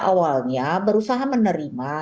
awalnya berusaha menerima